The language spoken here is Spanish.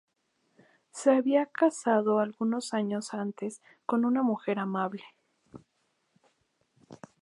Se había casado algunos años antes con una mujer amable.